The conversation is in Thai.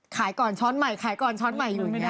ขายก่อนช้อนใหม่ขายก่อนช้อนใหม่อยู่อย่างนี้